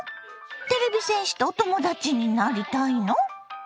てれび戦士とお友達になりたいの？